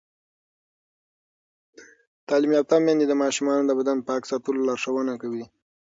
تعلیم یافته میندې د ماشومانو د بدن پاک ساتلو لارښوونه کوي.